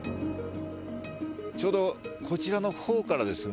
ちょうどこちらのほうからですね。